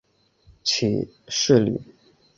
起士林。